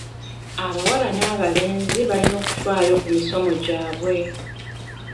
Abawala n'abalenzi balina okufaayo ku misomo gyabwe.